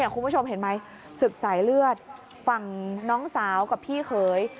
คุณผู้ชมเห็นไหมศึกสายเลือดฝั่งน้องสาวกับพี่เขย